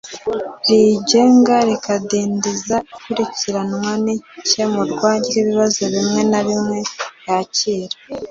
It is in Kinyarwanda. riyigenga bikadindiza ikurikiranwa n ikemurwa ry ibibazo bimwe na bimwe yakira